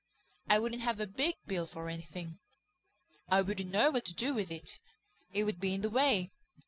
"I wouldn't have a big bill for anything. I wouldn't know what to do with it; it would be in the way.